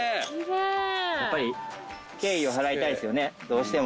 やっぱり敬意を払いたいですよねどうしても。